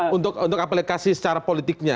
untuk aplikasi secara politiknya